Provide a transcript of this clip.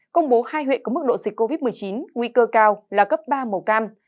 công bố hai huyện có mức độ dịch covid một mươi chín nguy cơ cao là cấp ba màu cam